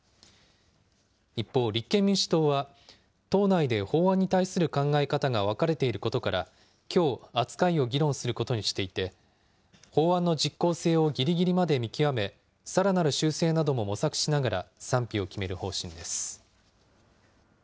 一方、立憲民主党は、党内で法案に対する考え方が分かれていることから、きょう、扱いを議論することにしていて、法案の実効性をぎりぎりまで見極め、さらなる修正なども模索しながら賛否を決める方針です。